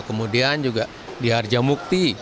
kemudian juga di harjamukti